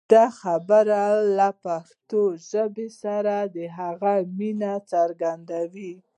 دا خبرې له پښتو ژبې سره د هغه مینه څرګندوي.